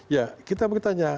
ya kita bertanya